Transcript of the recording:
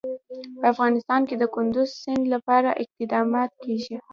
په افغانستان کې د کندز سیند لپاره اقدامات کېږي.